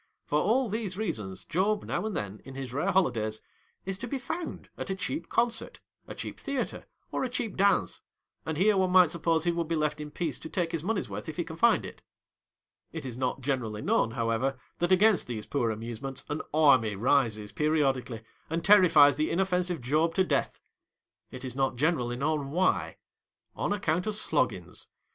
For all these rea sons, Job now and then, in his rare holidays, is to be found at a cheap concert, a cheap theatre, or a cheap dance. And here one might suppose he would be left in peace to take his money's worth if he can find it. It is not generally known, however, that against these poor amusements, an army rises periodically and terrifies the inoifensive Job to death. It is not generally known why. On account of Sloggins.